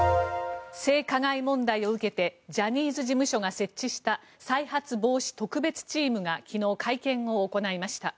性加害問題を受けてジャニーズ事務所が設置した再発防止特別チームが昨日、会見を行いました。